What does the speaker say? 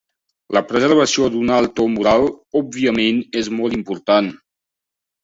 La preservació d'un alt to moral òbviament és molt important.